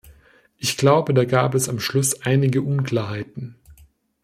Ich glaube, da gab es am Schluss einige Unklarheiten.